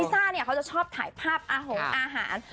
ซ่าเนี่ยเขาจะชอบถ่ายภาพอาหงอาหาร